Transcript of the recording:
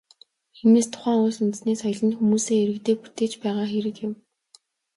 Иймээс, тухайн улс үндэстний соёл нь хүмүүсээ, иргэдээ бүтээж байгаа хэрэг юм.